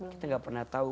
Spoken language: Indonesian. kita gak pernah tahu